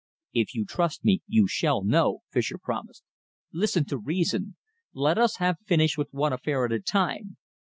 "If you trust me, you shall know," Fischer promised. "Listen to reason. Let us have finished with one affair at a time.